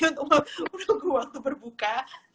untuk menunggu waktu berbuka